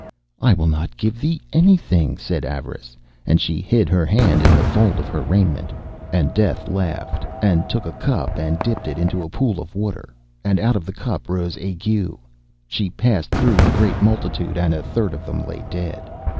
'I will not give thee anything,' said Avarice, and she hid her hand in the fold of her raiment. And Death laughed, and took a cup, and dipped it into a pool of water, and out of the cup rose Ague. She passed through the great multitude, and a third of them lay dead.